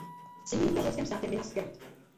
Sídlí v brazilském státě Minas Gerais.